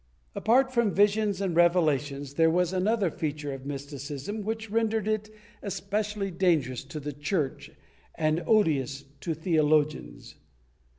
Apart from visions and revelations, there was another feature of mysticism which rendered it especially dangerous to the Church and odious to theologians.